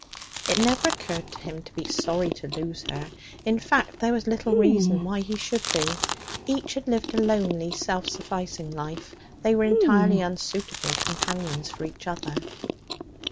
It never occurred to him to be sorry to lose her; in fact, there was little reason why he should be. Each had lived a lonely, self sufficing life; they were entirely unsuitable companions for each other.